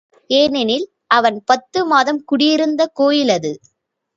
ஏனெனில், அவன் பத்து மாதம் குடியிருந்த கோயில் அது.